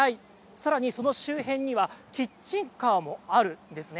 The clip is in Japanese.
さらに、その周辺にはキッチンカーもあるんですね。